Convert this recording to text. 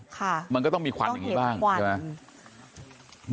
ค่ะมันก็ต้องมีควันอย่างงี้บ้างใช่ไหมต้องเห็นควัน